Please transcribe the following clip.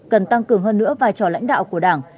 cần tăng cường hơn nữa vai trò lãnh đạo của đảng